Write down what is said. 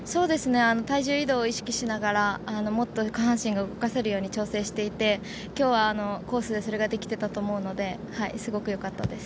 ◆体重移動を意識しながら、もっと下半身が動かせるように調整していて、きょうはコースでそれができていたと思うので、すごくよかったです。